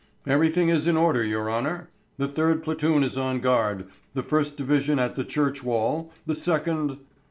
"Everything is in order, your honour. The third platoon is on guard, the first division at the church wall, the second...."